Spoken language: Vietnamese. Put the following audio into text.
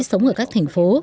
sống ở các thành phố